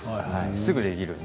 すぐできるので。